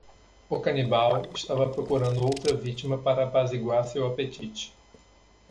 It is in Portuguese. O canibal estava procurando outra vítima para apaziguar seu apetite.